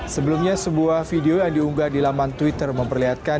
sebelumnya sebuah video yang diunggah di laman twitter memperlihatkan